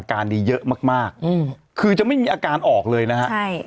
อาการดีเยอะมากคือจะไม่มีอาการออกเลยนะฮะ